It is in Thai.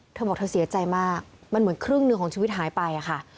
เธอบอกเธอเสียใจมากมันเหมือนครึ่งหนึ่งของชีวิตหายไปค่ะ